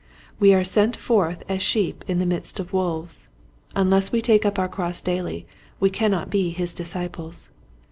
We are sent forth as sheep in the midst of wolves. Unless we take up our cross daily we cannot be his disciples.